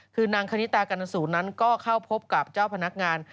คือนางคณิตากรณสูตรนั้นก็เข้าพบกับเจ้าพนักงาน